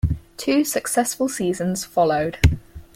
Two successful seasons followed.